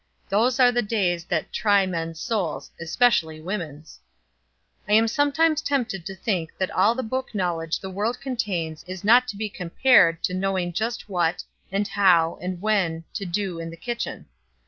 Those are the days that 'try men's souls,' especially women's. "I am sometimes tempted to think that all the book knowledge the world contains is not to be compared to knowing just what, and how, and when, to do in the kitchen.